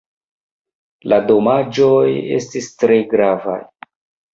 La damaĝoj estis tre gravaj.